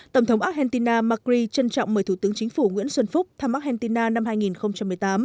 tổng thống argentina macri trân trọng mời thủ tướng chính phủ nguyễn xuân phúc thăm argentina năm hai nghìn một mươi tám